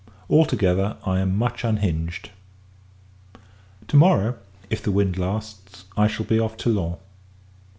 All together, I am much unhinged. To morrow, if the wind lasts, I shall be off Toulon.